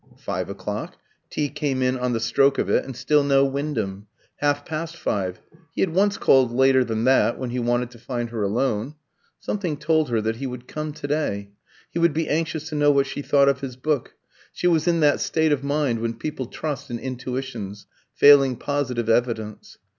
Five o'clock; tea came in on the stroke of it, and still no Wyndham. Half past five he had once called later than that when he wanted to find her alone. Something told her that he would come to day. He would be anxious to know what she thought of his book. She was in that state of mind when people trust in intuitions, failing positive evidence.